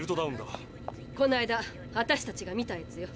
この間私たちが見たやつよ。